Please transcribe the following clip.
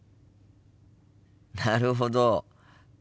なるほど。